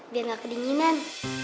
biar gak kedinginan